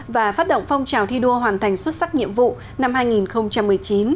và phát động phong trào thi đua hoàn thành xuất sắc nhiệm vụ năm hai nghìn một mươi chín